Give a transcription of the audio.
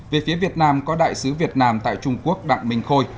về phía việt nam có đại sứ việt nam tại trung quốc đặng minh khôi